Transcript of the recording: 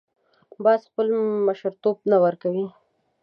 باز خپل مشرتوب نه ورکوي